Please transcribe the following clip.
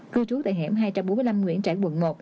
cư trú tại hẻm hai trăm bốn mươi năm nguyễn trãi quận một